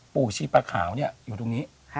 ปู่ชีพพระขาวอยู่ตรงนี้